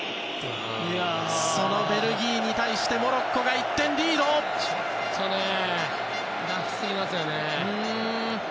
そのベルギーに対してモロッコが１点リード。ちょっとラフすぎますよね。